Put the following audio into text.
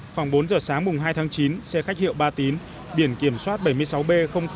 khoảng bốn h sáng hai tháng chín xe khách hiệu ba tín biển kiểm soát bảy mươi sáu b hai trăm hai mươi hai